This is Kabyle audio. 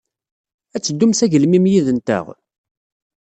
Ad teddum s agelmim yid-nteɣ?